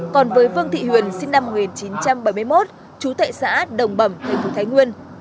còn với vương thị huyền sinh năm một nghìn chín trăm bảy mươi một trú tại xã đồng bẩm thành phố thái nguyên